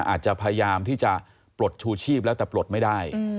อาจจะพยายามที่จะปลดชูชีพแล้วแต่ปลดไม่ได้